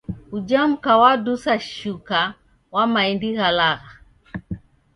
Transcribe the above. Uja mka wadisa shuka wa maindi gha lagha.